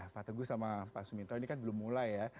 pak teguh sama pak suminto ini kan belum mulai ya